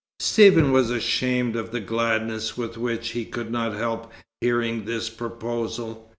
Stephen was ashamed of the gladness with which he could not help hearing this proposal.